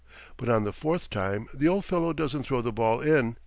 But on the fourth time the old fellow doesn't throw the ball in.